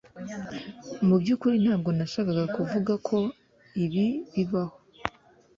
Mu byukuri ntabwo nashakaga kuvuga ko ibi bibaho